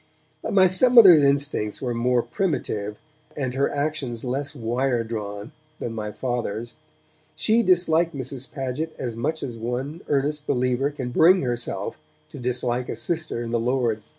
But my stepmother's instincts were more primitive and her actions less wire drawn than my Father's. She disliked Mrs. Paget as much as one earnest believer can bring herself to dislike a sister in the Lord.